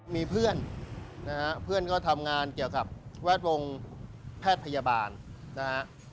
มีเพื่อนนะฮะเพื่อนก็ทำงานเกี่ยวกับแวดวงแพทย์พยาบาลนะฮะ